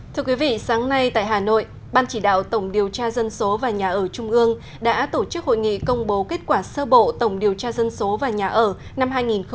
thưa quý vị sáng nay tại hà nội ban chỉ đạo tổng điều tra dân số và nhà ở trung ương đã tổ chức hội nghị công bố kết quả sơ bộ tổng điều tra dân số và nhà ở năm hai nghìn một mươi chín